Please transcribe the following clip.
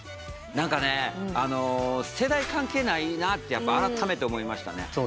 何かね世代関係ないなってやっぱ改めて思いましたね。